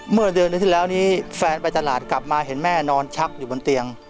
เมื่อเดือนที่แล้วนี้แฟนไปตลาดกลับมาเห็นแม่นอนชักอยู่บนเตียง